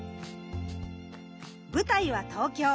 舞台は東京。